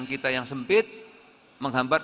kita yang sempit menghambat